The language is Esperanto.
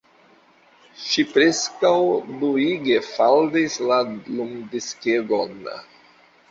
Ŝi preskaŭ duige faldis la lumdiskegon!